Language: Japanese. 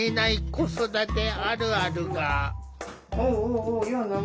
子育てあるあるが。